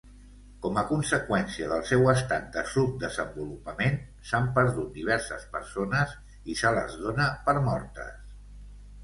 Com a conseqüència del seu estat de subdesenvolupament, s'han perdut diverses persones i se les dona per mortes.